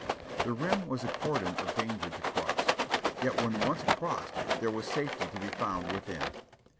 The rim was a cordon of danger to cross, yet when once crossed there was safety to be found within.